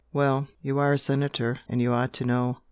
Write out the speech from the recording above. "Well! you are a senator, and you ought to know!"